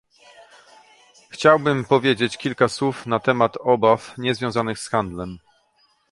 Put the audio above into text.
Chciałbym powiedzieć kilka słów na temat obaw nie związanych z handlem